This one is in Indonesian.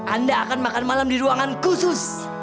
anda akan makan malam di ruangan khusus